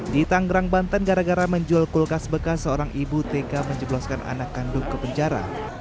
di tanggerang banten gara gara menjual kulkas bekas seorang ibu tk menjebloskan anak kandung ke penjara